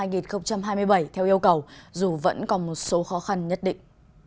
năm hai nghìn hai mươi bảy theo yêu cầu dù vẫn còn một số khó khăn nhất định